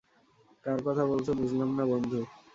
কার কথা বলছ, বুঝলাম না, বন্ধু।